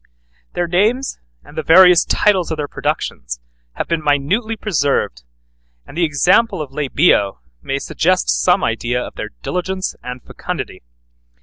Their names, and the various titles of their productions, have been minutely preserved, and the example of Labeo may suggest some idea of their diligence and fecundity.